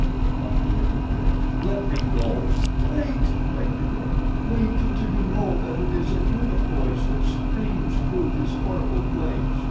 expostulated Bridge. "Let me go." "Wait!" begged the girl. "Wait until you know that it is a human voice that screams through this horrible place."